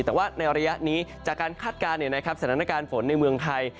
แต่ว่าในระยะนี้จากการคาดการณ์สถานการณ์ฝนในเมืองไทย